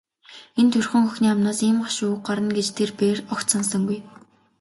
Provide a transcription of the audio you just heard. Энэ турьхан охины амнаас ийм гашуун үг гарна гэж тэр бээр огт санасангүй.